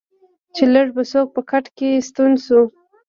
چې لږ به څوک په کټ کې ستون شو.